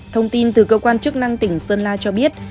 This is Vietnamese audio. thông tin từ cơ quan chức năng tỉnh sơn la cho biết